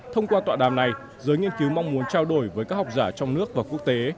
thông qua tọa đàm này giới nghiên cứu mong muốn trao đổi với các học giả trong nước và quốc tế